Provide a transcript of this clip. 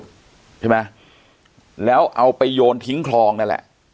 ใช่ไหมแล้วเอาไปโยนทิ้งคลองนั่นแหละ